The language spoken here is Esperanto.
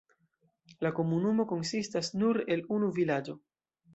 La komunumo konsistas nur el unu vilaĝo.